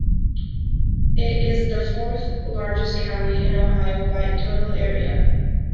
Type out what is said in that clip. It is the fourth-largest county in Ohio by total area.